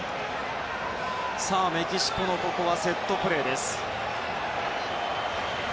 メキシコのセットプレーです。